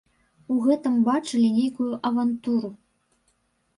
У гэтым бачылі нейкую авантуру.